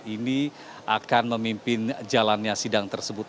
ini akan memimpin jalannya sidang tersebut